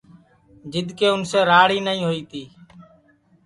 جِدؔ کہ اُنسے راڑ ہی نائی ہوئی تی